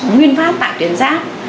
nguyên pháp tại tuyến giáp